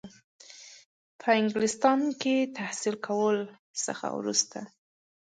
په انګلستان کې تحصیل کولو څخه وروسته.